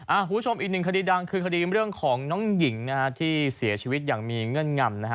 หัวชมอีกหนึ่งคดีดังคือคดีเรื่องของน้องหญิงที่เสียชีวิตอย่างมีเงื่อนกล่ำ